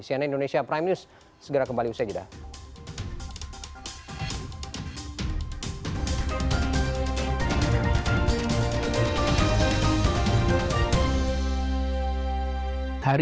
sianet indonesia prime news segera kembali usai jidah